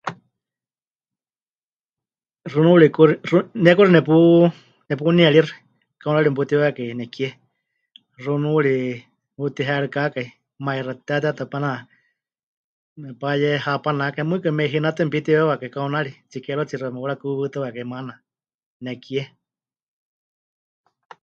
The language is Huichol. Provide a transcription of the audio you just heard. Xunuuri kux..., ne kuxi nepu... nepunieríxɨ kaunari meputiweewiwakai nekie, xunuuri meputiherɨkákai, maixa titetewatɨ mepana... mepayehapanakai, mɨɨkɨ meihinátɨ mepitiweewiwakai kaunari, tsikeerutsiixi mepɨwarakuwɨwɨtɨwakai maana, nekie.